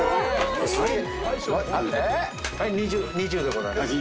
２０でございます。